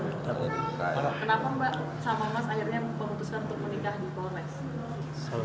kenapa mbak sama mas akhirnya memutuskan untuk menikah di polres